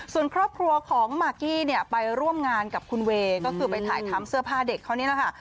ส่วนครอบครัวของมากกี้เนี่ยไปร่วมงานกับคุณเวย์ก็คือไปถ่ายทำเสื้อผ้าเด็กเขานี่แหละค่ะ